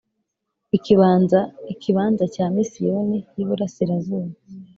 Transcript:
Ikibanza cya Misiyoni y Iburasirazuba